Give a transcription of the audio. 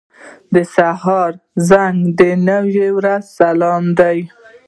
• د سهار زنګ د نوې ورځې سلام دی.